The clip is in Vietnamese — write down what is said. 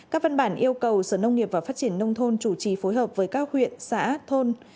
các văn bản yêu cầu sở nông nghiệp và phát triển nông thôn chủ trì phối hợp với các huyện xã thôn